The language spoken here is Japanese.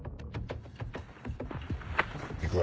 行くわよ。